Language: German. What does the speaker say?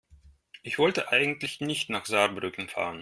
Ich wollte eigentlich nicht nach Saarbrücken fahren